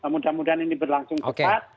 mudah mudahan ini berlangsung cepat